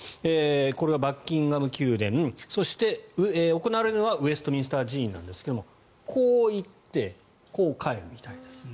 これがバッキンガム宮殿そして、行われるのはウェストミンスター寺院なんですがこう行ってこう帰るみたいです。